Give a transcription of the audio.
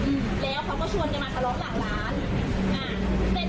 ตอนนั้นเขาเป็นพนักงานที่นี่อืมแล้วเขาก็ชวนกันมาทะเลาะหลังร้าน